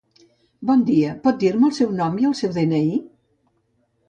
Bon dia, pot dir-me el seu nom i el seu de-ena-i?